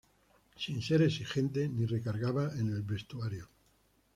Sin ser exigente ni recargada en el vestuario.